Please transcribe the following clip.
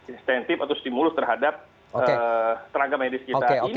insentif atau stimulus terhadap tenaga medis kita ini